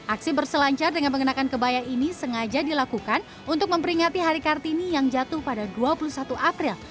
aksi berselancar dengan mengenakan kebaya ini sengaja dilakukan untuk memperingati hari kartini yang jatuh pada dua puluh satu april